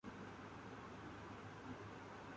کافی مماثلت لگتی ہے۔